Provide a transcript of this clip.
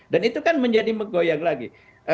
dan itu kan menjadi menggoyang lagi